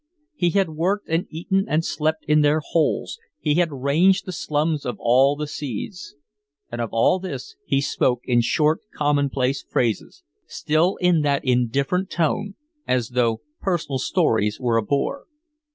He had worked and eaten and slept in their holes, he had ranged the slums of all the seas. And of all this he spoke in short, commonplace phrases, still in that indifferent tone, as though personal stories were a bore.